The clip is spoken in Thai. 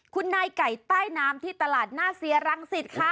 คุณนายไก่ใต้น้ำที่ตลาดหน้าเซียรังสิตค่ะ